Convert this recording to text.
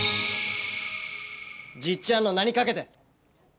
じっちゃんの名にかけて。